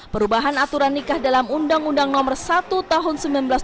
perubahan aturan nikah dalam undang undang nomor satu tahun seribu sembilan ratus sembilan puluh